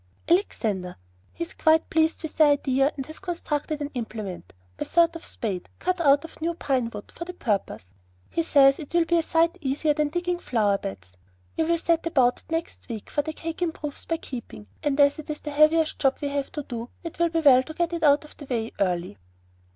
"Alexander. He is quite pleased with the idea, and has constructed an implement a sort of spade, cut out of new pine wood for the purpose. He says it will be a sight easier than digging flower beds. We will set about it next week; for the cake improves by keeping, and as it is the heaviest job we have to do, it will be well to get it out of the way early."